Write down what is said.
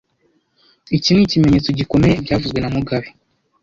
Iki nicyemezo gikomeye byavuzwe na mugabe